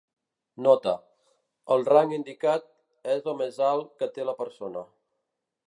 Nota: el rang indicat és el més alt que té la persona.